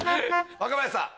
若林さん。